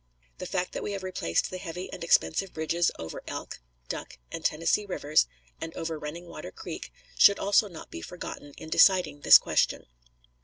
The fact that we have replaced the heavy and expensive bridges over Elk, Duck, and Tennessee Rivers, and over Running Water Creek, should also not be forgotten in deciding this question.